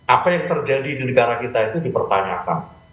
apa yang terjadi di negara kita itu dipertanyakan